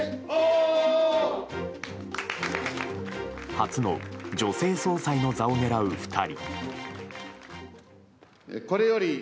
初の女性総裁の座を狙う２人。